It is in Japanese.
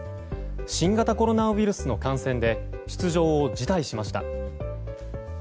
新型コロナウイルスの感染で出場を辞退しました。